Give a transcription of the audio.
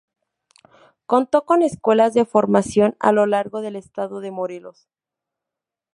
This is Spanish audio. Contó con escuelas de formación a lo largo del estado de Morelos.